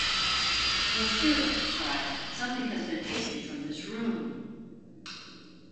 "Monsieur," he cried, "something has been taken from this room."